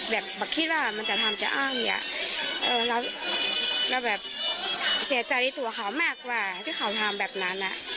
แบบคิดว่ามันจะทำจะอ้างเนี่ยเราแบบเสียใจในตัวเขามากกว่าที่เขาทำแบบนั้น